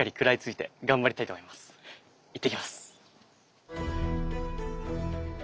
いってきます。